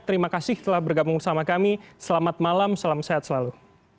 terima kasih telah bergabung sama kami selamat malam salam sehat selalu